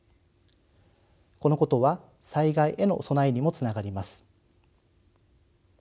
このことは災害への備えにもつながります。